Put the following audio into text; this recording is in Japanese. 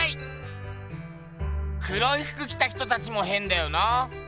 黒いふく着た人たちもへんだよな。